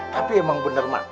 tapi emang bener ma